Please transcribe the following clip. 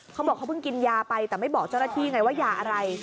เขาบอกเขาเพิ่งกินยาไปแต่ไม่บอกเจ้าหน้าที่ไงว่ายาอะไร